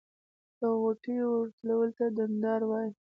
د غوټیو ورتولو ته ډنډار وایی.